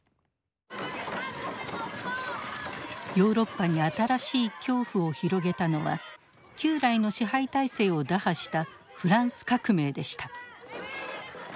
ヨーロッパに新しい恐怖を広げたのは旧来の支配体制を打破したフランス革命でした。